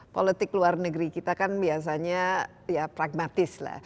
politik luar negeri kita kan biasanya ya pragmatis lah